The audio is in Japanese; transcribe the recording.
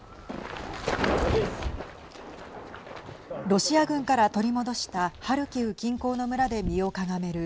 ロシア軍から取り戻したハルキウ近郊の村で身をかがめる